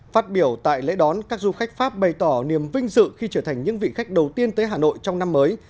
phát biểu tại lễ đón các du khách pháp bày tỏ niềm vinh dự khi trở thành những vị khách đầu tiên tới hà nội trong năm mới